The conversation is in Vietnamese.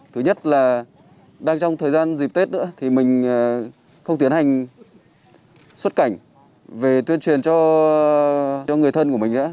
thứ nhất là đang trong thời gian dịp tết nữa thì mình không tiến hành xuất cảnh về tuyên truyền cho người thân của mình nữa